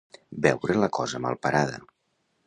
Veure la cosa mal parada.